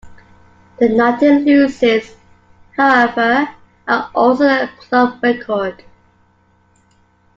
The nineteen losses, however, are also a club record.